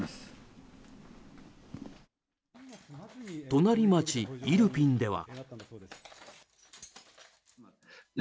隣町イルピンでは。